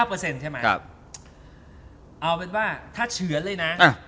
๕เปอร์เซ็นต์ใช่ไหมครับเอาเป็นว่าถ้าเฉือนเลยน่ะอ่ะ